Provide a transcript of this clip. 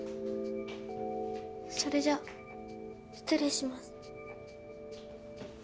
それじゃ失礼します。